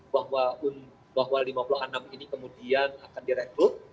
bahwa lima puluh enam ini kemudian akan direkrut